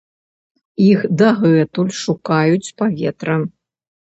Іх дагэтуль шукаюць з паветра.